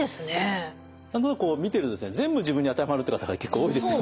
何となくこう見てると全部自分に当てはまるって方が結構多いですよね。